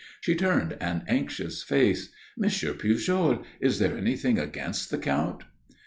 She turned an anxious face. "Monsieur Pujol, is there anything against the Count?"